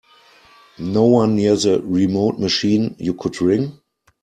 No one near the remote machine you could ring?